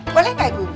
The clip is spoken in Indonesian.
boleh gak ibu